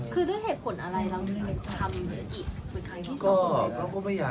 คือด้วยเหตุผลอะไรเราทำอีก